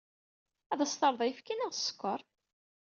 Ad as-terreḍ ayefki neɣ sskeṛ?